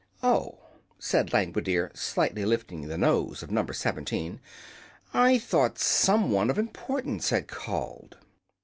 "Oh!" said Langwidere, slightly lifting the nose of No. 17. "I thought some one of importance had called."